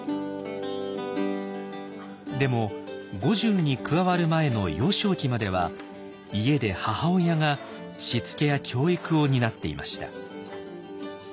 でも郷中に加わる前の幼少期までは家で母親がしつけや教育を担っていました。